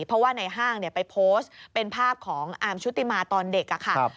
เพราะว่าในห้างไปโพสต์เป็นภาพของอาร์มชุติมาตอนเด็กค่ะ